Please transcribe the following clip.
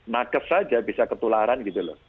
nakes saja bisa ketularan gitu loh